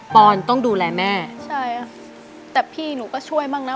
ออนต้องดูแลแม่ใช่ค่ะแต่พี่หนูก็ช่วยบ้างนะ